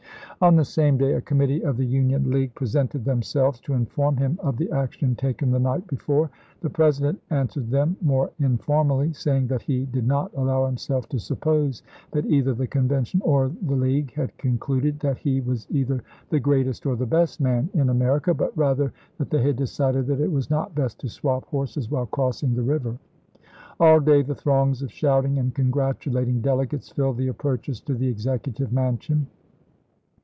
On the same day a committee of the Union League presented themselves to inform him of the action taken the night before. The President answered them more informally, saying that he did not allow himself to suppose that either the Convention or the League had concluded that he was either the greatest or the best man in Amer ica, but rather that they had decided that it was not best "to swap horses while crossing the river." All day the throngs of shouting and congratulating delegates filled the approaches to the Executive Mansion.